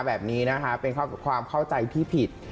แบบนี้นะคะเป็นความเข้าใจที่ผิด